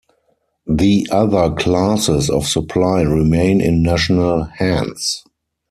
The other classes of supply remain in national hands.